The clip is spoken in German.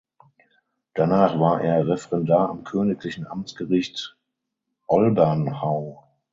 Danach war er Referendar am Königlichen Amtsgericht Olbernhau.